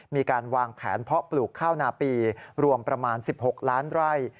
มีการวางแผนเพาะปลูกข้าวนาปีรวมประมาณ๑๖ล้านไร่